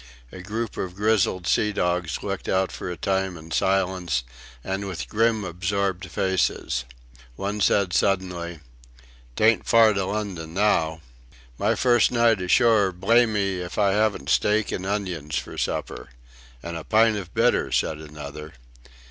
A group of grizzled sea dogs looked out for a time in silence and with grim absorbed faces. One said suddenly "'Tain't far to London now." "My first night ashore, blamme if I haven't steak and onions for supper... and a pint of bitter," said another.